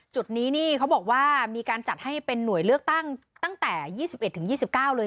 จุดนี้นี่เขาบอกว่ามีการจัดให้เป็นหน่วยเลือกตั้งตั้งแต่ยี่สิบเอ็ดถึงยี่สิบเก้าเลย